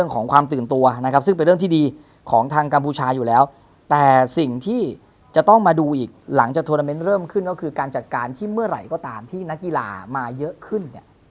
ก็คือการจัดการที่เมื่อไหร่ก็ตามที่นักกีฬามาเยอะขึ้น